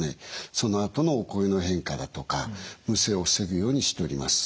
そのあとのお声の変化だとかむせを防ぐようにしております。